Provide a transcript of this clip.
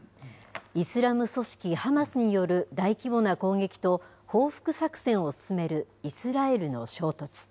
イスラム組織ハマスによる大規模な攻撃と報復作戦を進めるイスラエルの衝突。